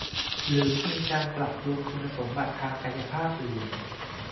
หรือมีการปรับปรุงคุณสมบัติทางกายภาพอื่น